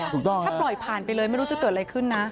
ถ้าปล่อยผ่านไปเลยไม่รู้จะเกิดอะไรขึ้นนะ